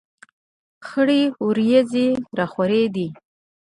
خړې ورېځې را خورې دي.